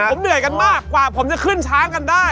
ผมเหนื่อยกันมากกว่าผมจะขึ้นช้างกันได้